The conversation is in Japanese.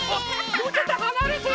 もうちょっとはなれて！